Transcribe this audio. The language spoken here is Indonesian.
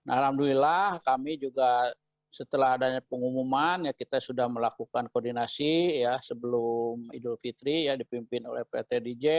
alhamdulillah kami juga setelah adanya pengumuman ya kita sudah melakukan koordinasi ya sebelum idul fitri ya dipimpin oleh pt dj